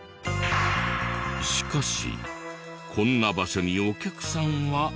しかしこんな場所にお客さんは来るのか？